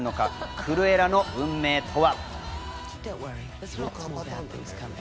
クルエラの運命とは。